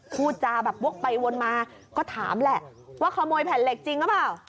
พูดจาแบบวกไปวนมาก็ถามแหละว่าขโมยแผ่นเหล็กจริงหรือเปล่า